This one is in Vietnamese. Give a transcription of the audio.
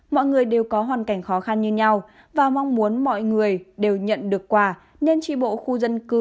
mọi người đều có hoàn cảnh khó khăn như nhau và mong muốn mọi người đều nhận được quà nên trị bộ khu dân cư cùng các tổ trưởng cho biết